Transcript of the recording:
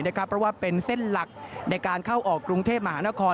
เพราะว่าเป็นเส้นหลักในการเข้าออกกรุงเทพมหานคร